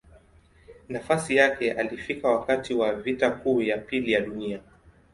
Nafasi yake alifika wakati wa Vita Kuu ya Pili ya Dunia.